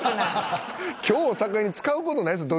今日を境に使う事ないですよ